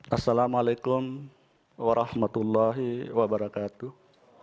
assalamualaikum warahmatullahi wabarakatuh